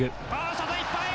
外いっぱい！